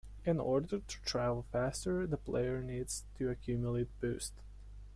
In order to travel faster, the player needs to accumulate Boost.